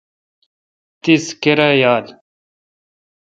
تیس کرایال؟